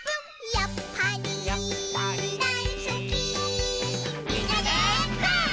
「やっぱりやっぱりだいすき」「みんなでパン！」